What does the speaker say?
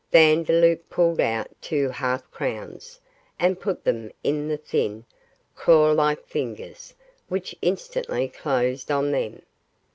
Vandeloup pulled out two half crowns and put them in the thin, claw like fingers, which instantly closed on them.